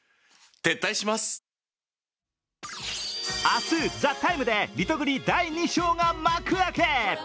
明日、「ＴＨＥＴＩＭＥ，」でリトグリ第２章が幕開け。